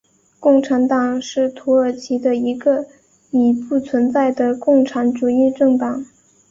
共产党是土耳其的一个已不存在的共产主义政党。